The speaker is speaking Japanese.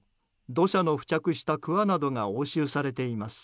土砂の付着したくわなどが押収されています。